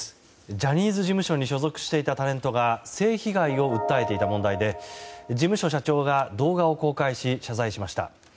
ジャニーズ事務所に所属していたタレントが性被害を訴えていた問題で事務所社長が動画を公開し謝罪しました。